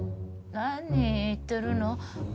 何言ってるの？